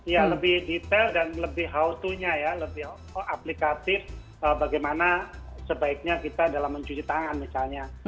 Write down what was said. ya lebih detail dan lebih how to nya ya lebih aplikatif bagaimana sebaiknya kita dalam mencuci tangan misalnya